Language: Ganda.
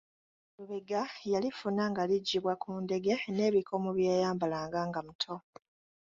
Lubega yalifuna nga liggyibwa ku ndege n’ebikomo bye yayambalanga nga muto.